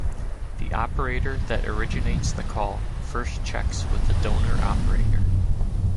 The operator that originates the call first checks with the donor operator.